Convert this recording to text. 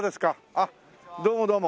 あっどうもどうも。